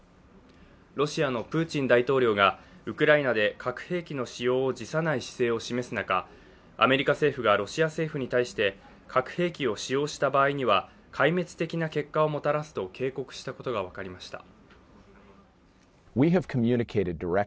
ロシアのプーチン大統領がウクライナで核兵器の使用を辞さない姿勢を示す中、アメリカ政府がロシア政府に対して核兵器を使用した場合には壊滅的な結果をもたらすと警告したことが分かりました。